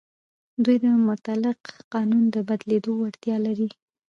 دوی د مطلق قانون د بدلېدو وړتیا لري.